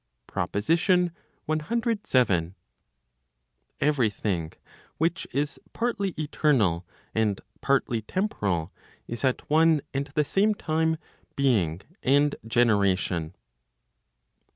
PROPOSITION CVII. Every thing which is partly eternal, and partly temporal, is at one and the same time being and generation.